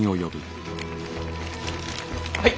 はい。